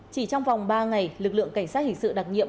chỉ trong vòng ba ngày lực lượng cảnh sát hình sự đặc nhiệm